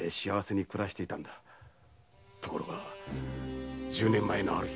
ところが十年前のある日。